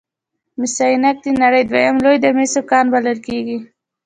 مس عینک د نړۍ دویم لوی د مسو کان بلل کیږي.